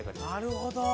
なるほど！